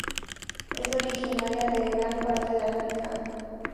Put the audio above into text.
Es originaria de gran parte de África.